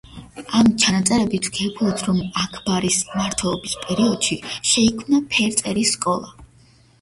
ამ ჩანაწერებით ვგებულობთ, რომ აქბარის მმართველობის პერიოდში შეიქმნა ფერწერის სკოლა.